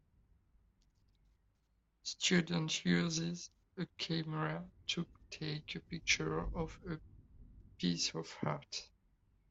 Student uses a camera to take a picture of a piece of art.